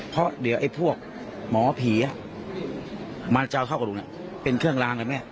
เพราะเดี๋ยวไอ้พวกหมอผีมันจะเอาเข้ากับลุงเป็นเครื่องล้างเลยแม่